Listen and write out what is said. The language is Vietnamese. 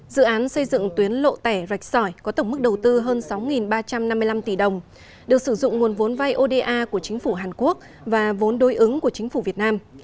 dự án xây dựng tuyến lộ tẻ rạch sỏi có tổng mức đầu tư hơn sáu ba trăm năm mươi năm tỷ đồng được sử dụng nguồn vốn vai oda của chính phủ hàn quốc và vốn đối ứng của chính phủ việt nam